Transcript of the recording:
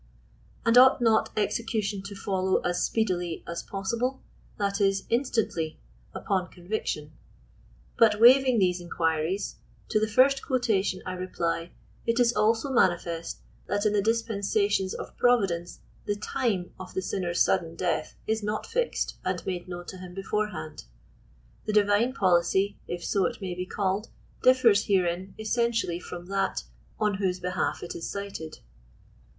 And ought not execution to follow as speedily" as possible, tliat is, inatantly^ upon conviction ? But waiving these inquiries ;— to the first quotation I reply, it i» also manifest that in the dispensations of Providence, the time of the sinner's sudden death is not fixed and made known to him before hand. The divine policy, if so it may be called, differs herein es sentially from that on whose behalf it is cited.